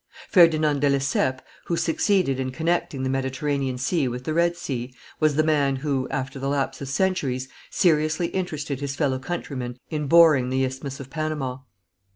Ferdinand de Lesseps, who succeeded in connecting the Mediterranean Sea with the Red Sea, was the man who, after the lapse of centuries, seriously interested his fellow countrymen in boring the Isthmus of Panama.